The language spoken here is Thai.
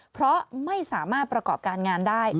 เพราะไม่สามารถประกอบการงานได้